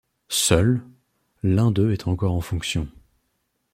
Seul, l'un des deux est encore en fonction.